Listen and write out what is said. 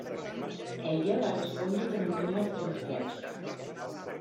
Ella va respondre que no entenia el francès.